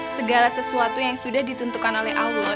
segala sesuatu yang sudah ditentukan oleh allah